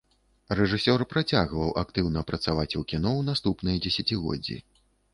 Рэжысёр працягваў актыўна працаваць у кіно ў наступныя дзесяцігоддзі.